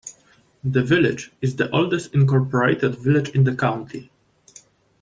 The village is the oldest incorporated village in the County.